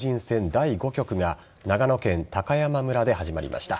第５局が長野県高山村で始まりました。